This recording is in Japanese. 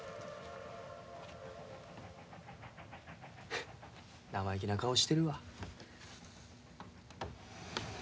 フフ生意気な顔してるわ。